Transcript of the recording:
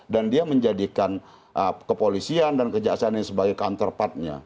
dan dia menjadikan kepolisian dan kejaksaan ini sebagai counterpartnya